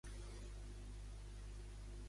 Quin fill van tenir Megareu i Mèrope?